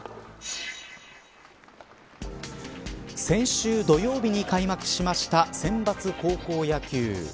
先週土曜日に開幕しました選抜高校野球。